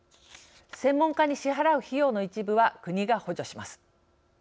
専門家に支払う費用の一部は国が補助します。